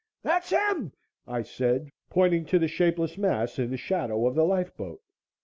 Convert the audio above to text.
"That's him!" I said, pointing at the shapeless mass in the shadow of the lifeboat.